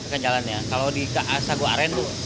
kalau di sagu aren tuh